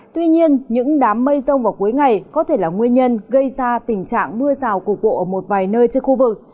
tuy nhiên những đám mây rông vào cuối ngày có thể là nguyên nhân gây ra tình trạng mưa rào cục bộ ở một vài nơi trên khu vực